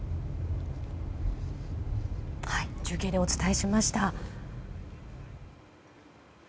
中継でお伝えしました。